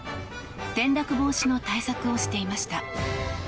転落防止の対策をしていました。